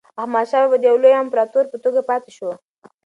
احمدشاه بابا د یو لوی امپراتور په توګه پاتې شو.